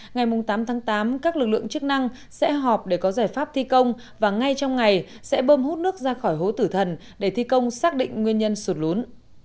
ngày tám tháng tám các lực lượng chức năng sẽ họp để có giải pháp thi công và ngay trong ngày sẽ bơm hút nước ra khỏi hố tử thần để thi công xác định nguyên nhân sụt lún